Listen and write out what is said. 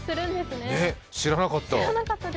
ね、知らなかった。